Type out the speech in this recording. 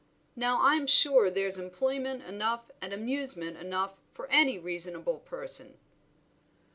Now I'm sure there's employment enough and amusement enough for any reasonable person."